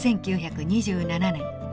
１９２７年。